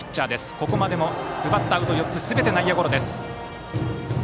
ここまでも奪ったアウト４つすべて内野ゴロです。